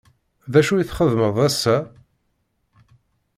D acu i txedmeḍ ass-a?